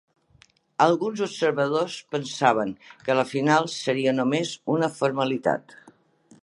Alguns observadors pensaven que la final seria només una formalitat.